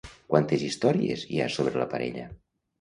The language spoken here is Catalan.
Quantes històries hi ha sobre la parella?